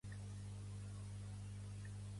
Pertany al moviment independentista la Jorgina?